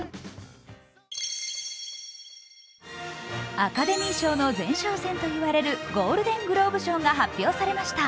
アカデミー賞の前哨戦といわれるゴールデン・グローブ賞が発表されました。